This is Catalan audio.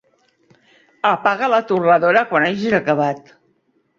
Apaga la torradora quan hagis acabat.